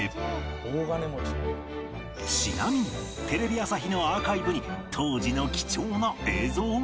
ちなみにテレビ朝日のアーカイブに当時の貴重な映像が